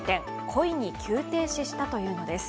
故意に急停止したというのです。